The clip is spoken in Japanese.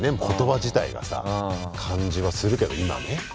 言葉自体がさ感じはするけど今ね。